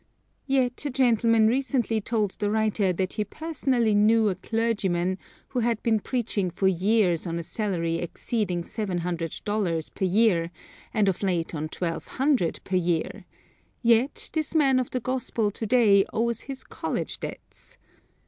Yet a gentleman recently told the writer that he personally knew a clergyman who had been preaching for years on a salary exceeding seven hundred dollars per year, and of late on twelve hundred per year; yet, this man of the gospel to day owes his college debts.